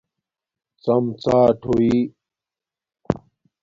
ڎم ڎاٹ ہوئی